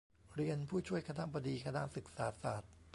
เรียน ผู้ช่วยคณบดีคณะศึกษาศาสตร์